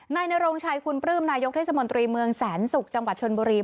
นายนโรงชัยคุณปลื้มนายกเทศมนตรีเมืองแสนศุกร์จังหวัดชนบุรี